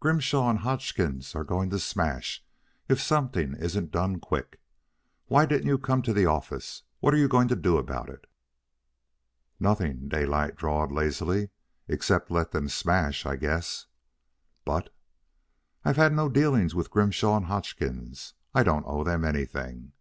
"Grimshaw and Hodgkins are going to smash if something isn't done quick. Why didn't you come to the office? What are you going to do about it?" "Nothing," Daylight drawled lazily. "Except let them smash, I guess " "But " "I've had no dealings with Grimshaw and Hodgkins. I don't owe them anything.